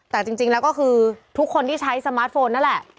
แต่จริงแล้วก็คือทุกคนที่ใช้สมาร์ทโฟนนั่นแหละ